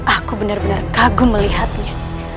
aku benar benar kagum melihatnya